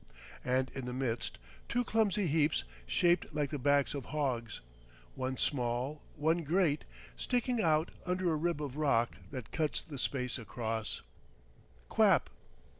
And in the midst, two clumsy heaps shaped like the backs of hogs, one small, one great, sticking out under a rib of rock that cuts the space across,—quap!